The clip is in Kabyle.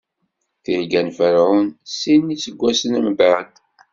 Tirga n Ferɛun Sin n iseggasen mbeɛd.